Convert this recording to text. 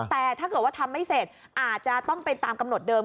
แต่ถ้าเกิดว่าทำไม่เสร็จอาจจะต้องเป็นตามกำหนดเดิม